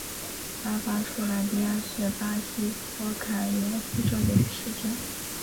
巴巴苏兰迪亚是巴西托坎廷斯州的一个市镇。